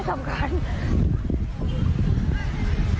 ร่าบ้าง